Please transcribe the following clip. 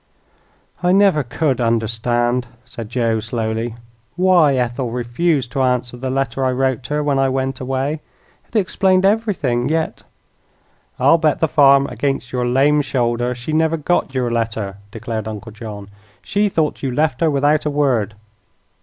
"I never could understand," said Joe, slowly, "why Ethel refused to answer the letter I wrote her when I went away. It explained everything, yet " "I'll bet the farm against your lame shoulder she never got your letter," declared Uncle John. "She thought you left her without a word."